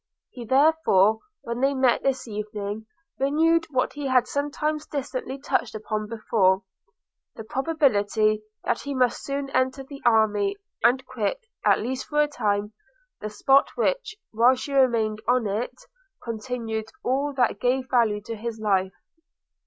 He therefore, when they met this evening, renewed, what he had sometimes distantly touched upon before, the probability that he must soon enter the army, and quit, at least for a time, the spot which, while she remained on it, contained all that gave value to his life.